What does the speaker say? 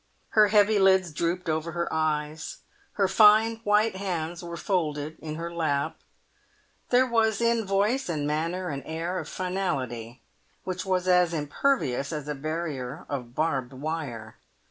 Her heavy lids drooped over her eyes, her fine white hands were folded in her lap. There was in voice and manner an air of finality, which was as impervious as a barrier of barbed wire.